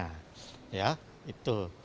nah ya itu